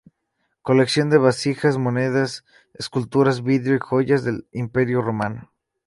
Colección de vasijas, monedas, esculturas, vidrio y joyas del Imperio romano.